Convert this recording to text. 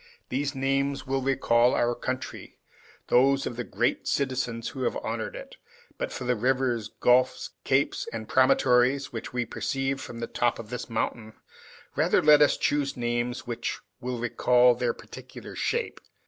These names will recall our country, and those of the great citizens who have honored it; but for the rivers, gulfs, capes, and promontories, which we perceive from the top of this mountain, rather let us choose names which will recall their particular shape.